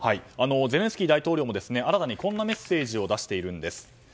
ゼレンスキー大統領も新たに、こんなメッセージを出しているんです。